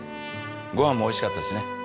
ご飯もおいしかったしね。